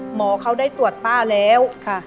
หมอเขาได้ตรวจป้าแล้วค่ะ